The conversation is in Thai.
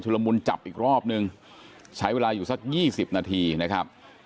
ละมุนจับอีกรอบนึงใช้เวลาอยู่สัก๒๐นาทีนะครับ